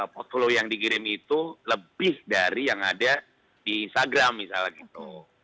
portfo yang dikirim itu lebih dari yang ada di instagram misalnya gitu